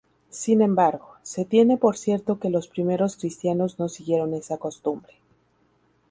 Sin embargo, se tiene por cierto que los primeros cristianos no siguieron esa costumbre.